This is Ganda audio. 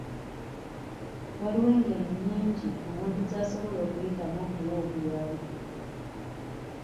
Waliwo engeri nnyingi omuntu zasobola okuyitamu okuwa obuyambi.